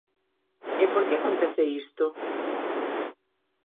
E por que acontece isto?